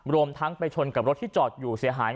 รวมทั้งไปชนกับรถที่จอดอยู่เสียหาย